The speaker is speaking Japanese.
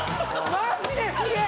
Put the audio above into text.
マジですげえ！